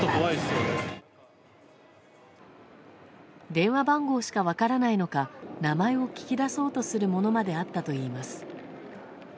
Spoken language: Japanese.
電話番号しか分からないのか名前を聞き出そうとするものまであったといいます。